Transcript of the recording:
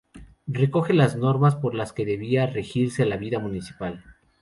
Recoge las normas por las que debía regirse la vida municipal.